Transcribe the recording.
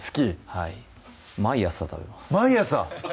はい毎朝食べます毎朝！